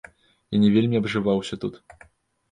Я не вельмі абжываўся тут.